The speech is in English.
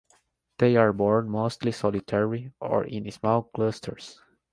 They are borne mostly solitary or in small clusters.